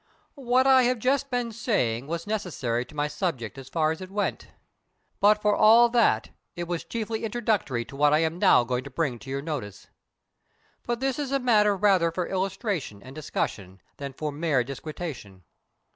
"What I have just been saying was necessary to my subject as far as it went, but for all that it was chiefly introductory to what I am now going to bring to your notice. But this is a matter rather for illustration and discussion than for mere disquisition.